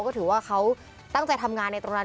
ก็ถือว่าเขาตั้งใจทำงานในตรงนั้น